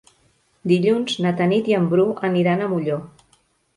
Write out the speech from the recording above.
Dilluns na Tanit i en Bru aniran a Molló.